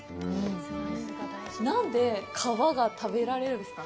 何で皮が食べられるんですか？